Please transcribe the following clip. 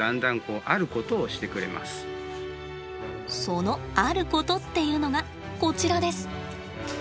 そのあることっていうのがこちらです。